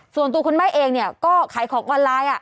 ส่วนตัวคุณแม่เองเนี่ยก็ขายของออนไลน์